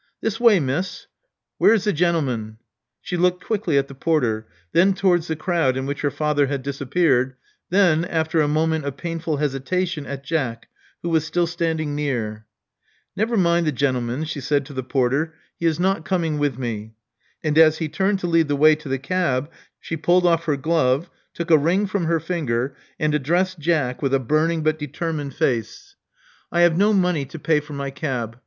This way. Miss. W'ere's the gen'lman?" She looked quickly at the porter; then towards the crowd in which her father had disappeared; then, after a moment of painful hesitation, at Jack, who was still standing near. Never mind the gentleman," she said to the porter: he is not coming with me." And as he turned to lead the way to the cab, she pulled off her glove ; took a ring from her finger ; and addressed Jack with a burning but determined face. Love Among the Artists 67 I have no money to pay for my cab.